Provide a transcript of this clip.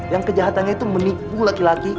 yang kejahatannya itu menipu laki laki